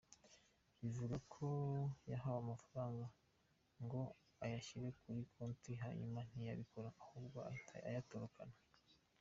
Bivugwa ko yahawe amafaranga ngo ayashyire kuri konti hanyuma ntiyabikora ahubwo ahita ayatorokana.